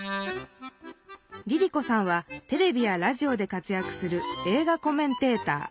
ＬｉＬｉＣｏさんはテレビやラジオで活やくする映画コメンテーター。